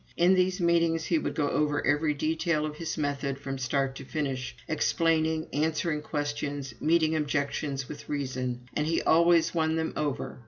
In these meetings he would go over every detail of his method, from start to finish, explaining, answering questions, meeting objections with reason. And he always won them over.